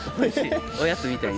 おやつみたいに。